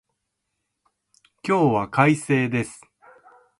今日は快晴です